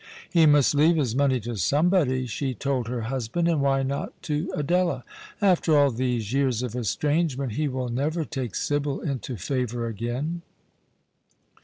" He must leave his money to somebody," she told her husband, " and why not to Adela ? After all these years of estrangement he will never take Sibyl into favour again."